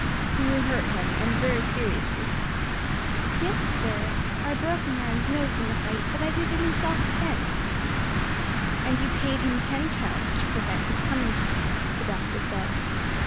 "You hurt him, and very seriously." "Yes, sir, I broke a man's nose in the fight, but I did it in self defence." "And you paid him ten pounds to prevent his coming to me," the Doctor said.